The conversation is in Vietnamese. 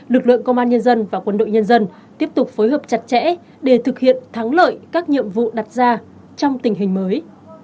lực lượng công an nhân dân và quân đội nhân dân tiếp tục phối hợp chặt chẽ để thực hiện thắng lợi các nhiệm vụ đặt ra trong tình hình mới